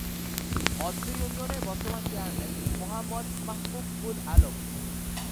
অত্র ইউনিয়নের বর্তমান চেয়ারম্যান মোহাম্মদ মাহাবুব-উল-আলম